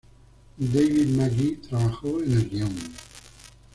David Magee trabajó en el guion.